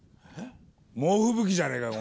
猛吹雪じゃねえかよ